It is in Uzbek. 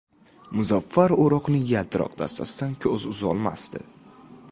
Muzaffar o‘roqning yaltiroq dastasidan ko‘z uzolmasdi…